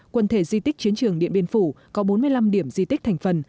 quần thể di tích chiến trường điện biên phủ có bốn mươi năm điểm di tích thành phần